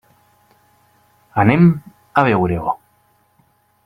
Anem a veure-ho.